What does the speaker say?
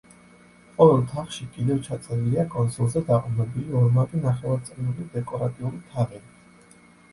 ყოველ თაღში კიდევ ჩაწერილია კონსოლზე დაყრდნობილი ორმაგი ნახევარწრიული დეკორატიული თაღედი.